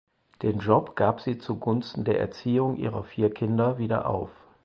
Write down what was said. Den Job gab sie zu Gunsten der Erziehung ihrer vier Kinder wieder auf.